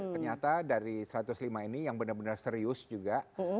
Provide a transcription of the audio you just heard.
ternyata dari satu ratus lima ini yang benar benar serius juga